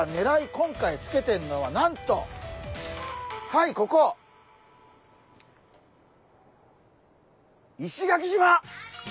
今回つけてんのはなんとはいここ！石垣島！